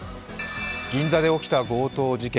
銀座で起きた強盗事件。